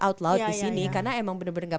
out loud disini karena emang bener bener gak